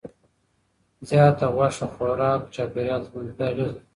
زیات غوښه خوراک چاپیریال ته منفي اغېز لري.